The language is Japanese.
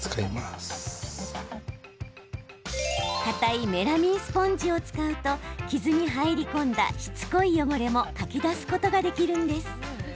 かたいメラミンスポンジを使うと傷に入り込んだ、しつこい汚れもかき出すことができるんです。